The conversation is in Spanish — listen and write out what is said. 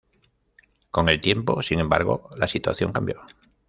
Con el tiempo, sin embargo, la situación cambió.